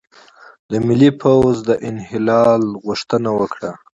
د ملي پوځ د انحلال غوښتنه وکړه،